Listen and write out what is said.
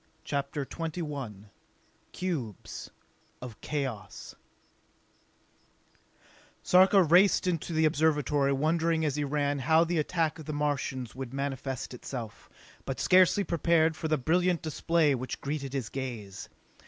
CHAPTER XXI Cubes of Chaos Sarka raced into the Observatory, wondering as he ran how the attack of the Martians would manifest itself; but scarcely prepared for the brilliant display which greeted his gaze.